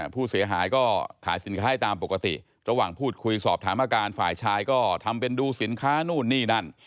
ผู้เสียหายก็ขายสินค้าให้ตามปกติระหว่างพูดคุยสอบถามอาการฝ่ายชายก็ทำเป็นดูสินค้านู่นนี่นั่น